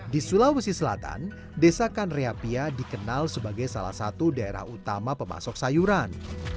di sulawesi selatan desa kanreapia dikenal sebagai salah satu daerah utama pemasok sayuran